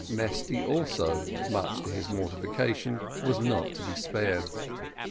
Mesty also, much to his mortification, was not to be spared.